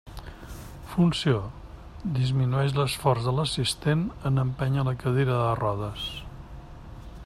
Funció: disminueix l'esforç de l'assistent en empènyer la cadira de rodes.